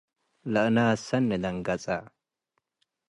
ለእናስ ሰኒ ደንገጸ።